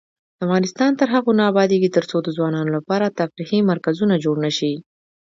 افغانستان تر هغو نه ابادیږي، ترڅو د ځوانانو لپاره تفریحي مرکزونه جوړ نشي.